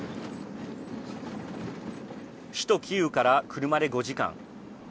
首都キーウから車で５時間。